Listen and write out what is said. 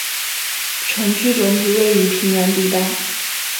城区整体位于平原地带。